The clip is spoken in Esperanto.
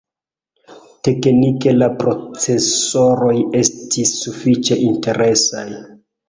Teknike la procesoroj estis sufiĉe interesaj.